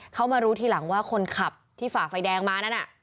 เขามารู้ทีหลังว่าคนขับที่ฝ่าไฟแดงมานั่นน่ะ